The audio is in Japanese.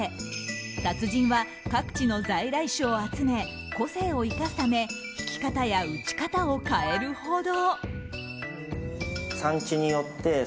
達人は各地の在来種を集め個性を生かすため挽き方や打ち方を変えるほど。